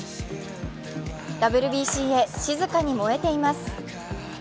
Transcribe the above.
ＷＢＣへ静かに燃えています。